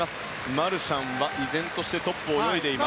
マルシャンは依然としてトップを泳いでいます。